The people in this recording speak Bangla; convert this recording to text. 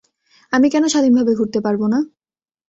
আমি কেন স্বাধীনভাবে ঘুরতে পারবো না?